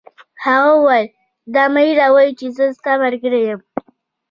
هغه وویل: دا مه هیروئ چي زه ستا ملګری یم.